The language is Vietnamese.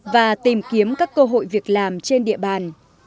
và tìm kiếm các cơ hội việc làm trên địa bàn